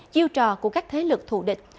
chiêu trò của các thế lực thù địch